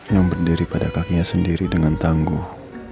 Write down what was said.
yang berdiri pada kakinya sendiri dengan tangguh